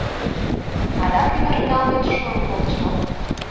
Адак ӱдыр налмет шуын колтыш мо?